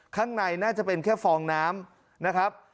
ข้างในน่าจะเป็นแค่ฟองน้ำนะครับ